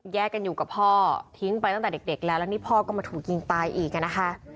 กันอยู่กับพ่อทิ้งไปตั้งแต่เด็กแล้วแล้วนี่พ่อก็มาถูกยิงตายอีกอ่ะนะคะ